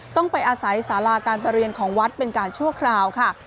ต้องไปอาศัยสาราการประเรียนของวัดเป็นการชั่วคราวค่ะ